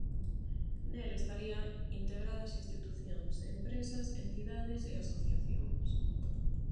Nel estaría integradas institucións, empresas, entidades e asociacións.